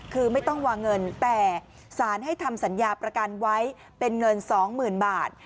คือไม่ต้องวางเงินแต่สารให้ทำสัญญาประกันไว้เป็นเงิน๒๐๐๐บาท